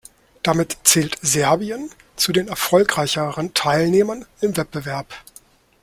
Damit zählt Serbien zu den erfolgreicheren Teilnehmern im Wettbewerb.